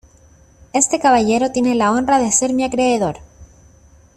este caballero tiene la honra de ser mi acreedor.